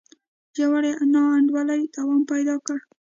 ژورې نا انډولۍ دوام پیدا کړ.